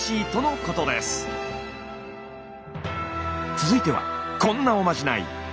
続いてはこんなおまじない。